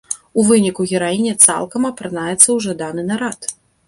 У выніку гераіня цалкам апранаецца ў жаданы нарад.